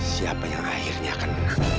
siapa yang akhirnya akan